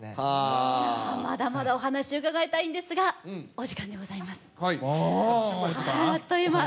まだまだお話伺いたいんですがお時間でございます、あっという間。